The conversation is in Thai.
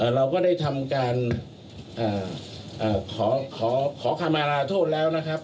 เราก็ได้ทำการขอคำมาลาโทษแล้วนะครับ